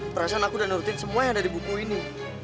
perasaan aku udah nurutin semua yang ada di buku ini